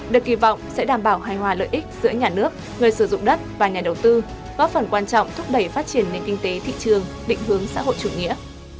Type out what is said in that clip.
được kỳ vọng sẽ đảm bảo hài hòa lợi ích giữa nhà nước người sử dụng đất và nhà đầu tư góp phần quan trọng thúc đẩy phát triển nền kinh tế thị trường định hướng xã hội chủ nghĩa